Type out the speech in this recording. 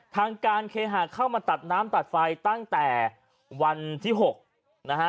ทางการเคหาเข้ามาตัดน้ำตัดไฟตั้งแต่วันที่๖นะฮะ